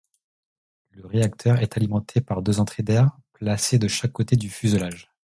Le réacteur est alimenté par deux entrées d'air placées de chaque côté du fuselage.